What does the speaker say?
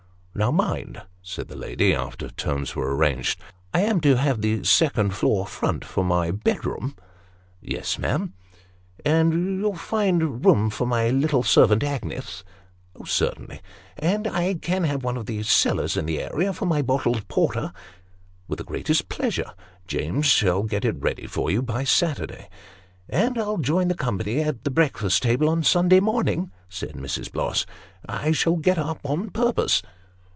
"Now mind," said that lady, after terms were arranged; " I am to have the second floor front, for my bedroom ?"" Yes, ma'am." " And you'll find room for my little servant Agnes ?" "Oh! certainly." " And I can have one of the cellars in the area for my bottled porter." " With the greatest pleasure ; James shall get it ready for you by Saturday." " And I'll join the company at the breakfast table on Sunday morn ing," said Mrs. Bloss. " I shall get up on purpose."